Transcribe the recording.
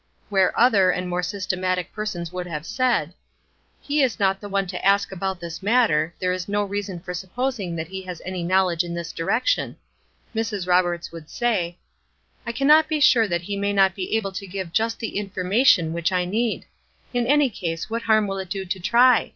Where other and more systematic persons would have said, "He is not the one to ask about this matter! there is no reason for supposing that he has any knowledge in this direction!" Mrs. Roberts would say: "I cannot be sure that he may not be able to give just the information which I need. In any case, what harm will it do to try?"